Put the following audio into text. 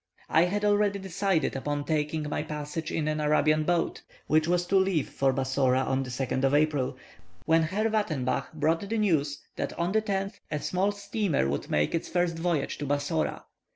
I had already decided upon taking my passage in an Arabian boat, which was to leave for Bassora on the 2nd of April, when Herr Wattenbach brought the news that on the 10th a small steamer would make its first voyage to Bassora.